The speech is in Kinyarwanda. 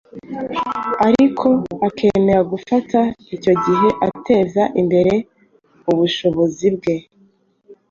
ariko akemera gufata icyo gihe ateza imbere ubushobozi bwe.